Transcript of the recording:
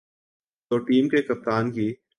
تو ٹیم کے کپتان کی۔